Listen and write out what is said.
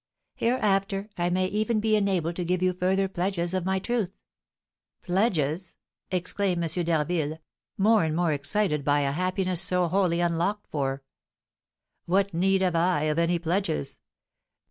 Hereafter I may even be enabled to give you further pledges of my truth." "Pledges!" exclaimed M. d'Harville, more and more excited by a happiness so wholly unlocked for. "What need have I of any pledges?